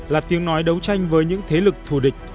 là tiếng nói đấu tranh với những thế lực thù địch